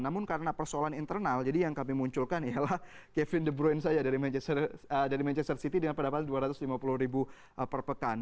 namun karena persoalan internal jadi yang kami munculkan ialah kevin de bruin saja dari manchester city dengan pendapatan dua ratus lima puluh ribu per pekan